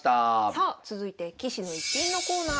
さあ続いて「棋士の逸品」のコーナーです。